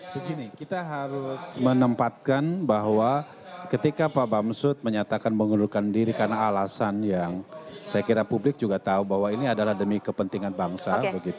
begini kita harus menempatkan bahwa ketika pak bamsud menyatakan mengundurkan diri karena alasan yang saya kira publik juga tahu bahwa ini adalah demi kepentingan bangsa